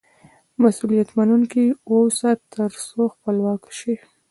مسئولیت منونکی واوسه، تر څو خپلواک سې.